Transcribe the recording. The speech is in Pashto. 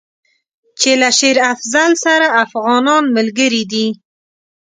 چې له شېر افضل سره افغانان ملګري دي.